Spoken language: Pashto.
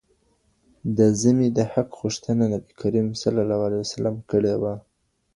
د ذمي د حق غوښتنه نبي کریم کړې وه.